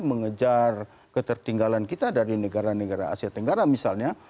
mengejar ketertinggalan kita dari negara negara asia tenggara misalnya